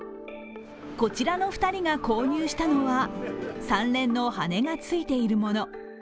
こちらの２人が購入したのは３連の羽根がついているもの。